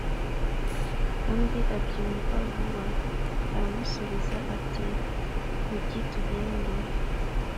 undi abyumva vuba, aramusubiza ati «hogi tugende,